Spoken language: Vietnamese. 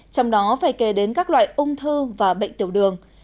trong đó phải kể đến các loại ung thư và bệnh tiểu đường